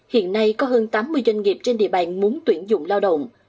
hiện nay có hơn tám mươi doanh nghiệp trên địa bàn muốn tuyển dụng lao động